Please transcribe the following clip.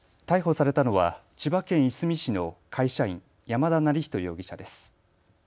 逮捕されたのは千葉県いすみ市の会社員、山田成人容疑者です。